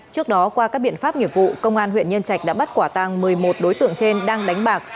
trước đó qua các biện pháp nghiệp vụ công an huyện nhân trạch đã bắt quả tàng một mươi một đối tượng trên đang đánh bạc